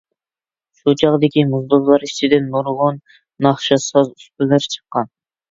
شۇ چاغدىكى موزدۇزلار ئىچىدىن نۇرغۇن ناخشا ساز ئۇستىلىرى چىققان.